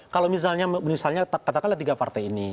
kalau misalnya katakanlah tiga partai ini